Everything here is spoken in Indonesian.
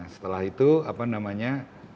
setelah itu apa namanya